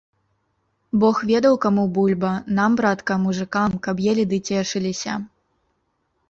Бог ведаў, каму бульба, нам, братка, мужыкам, каб елі ды цешыліся.